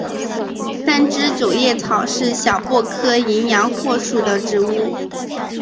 三枝九叶草是小檗科淫羊藿属的植物。